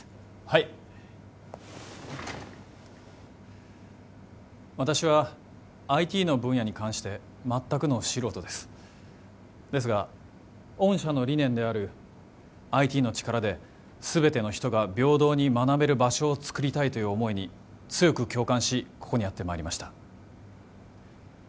はい私はＩＴの分野に関して全くの素人ですですが御社の理念であるＩＴの力で全ての人が平等に学べる場所をつくりたいという思いに強く共感しここにやってまいりました